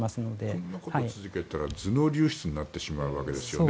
こんなことを続けていたら頭脳流出になってしまうわけですよね。